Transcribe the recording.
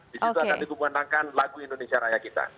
di situ akan digumumkan lagu indonesia raya kita